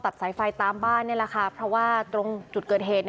สายไฟตามบ้านนี่แหละค่ะเพราะว่าตรงจุดเกิดเหตุ